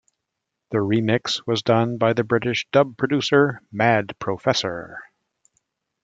The remix was done by the British dub producer Mad Professor.